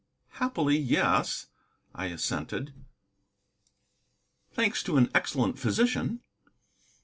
"Happily, yes," I assented. "Thanks to an excellent physician."